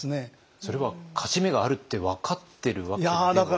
それは勝ち目があるって分かってるわけでは。